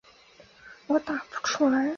我答不出来。